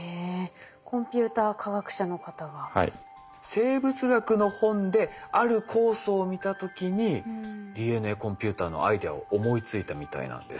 生物学の本である酵素を見た時にＤＮＡコンピューターのアイデアを思いついたみたいなんです。